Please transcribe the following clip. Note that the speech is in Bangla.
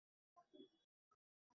কারণ রাজস্থানের পাশেই গুজরাট।